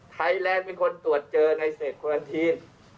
ไทยแลนด์เป็นคนตรวจเจอในสติกการ์อนทีน